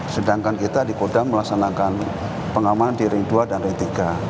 sedangkan kita di kodam melaksanakan pengamanan di ring dua dan ring tiga